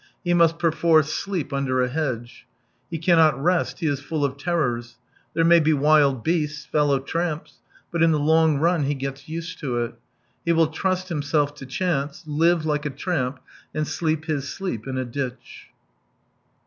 He must perforce sleep under a hedge. He cannot rest, he is full of terrors. There may be wild beasts, fellow tramps. But in the long run he gets used to it. He will trust himself to chance, live like a tramp, and sleep his sleep in a djtch.